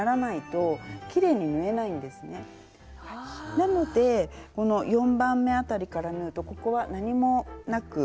なのでこの４番目辺りから縫うとここは何もなく縫いやすい。